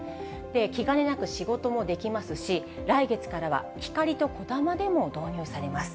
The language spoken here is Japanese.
気兼ねなく仕事もできますし、来月からは、ひかりとこだまでも導入されます。